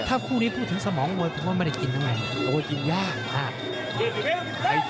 ถ้าคู่นี้พูดถึงสมองบอกว่าไม่ได้กินทำไมแต่ว่ากินยากมาก